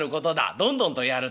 どんどんとやるといい。